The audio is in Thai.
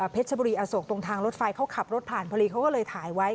ชบุรีอโศกตรงทางรถไฟเขาขับรถผ่านพอดีเขาก็เลยถ่ายไว้